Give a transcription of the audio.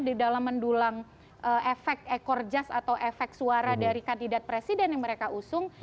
di dalam mendulang efek ekor jas atau efek suara dari kandidat presiden yang mereka usung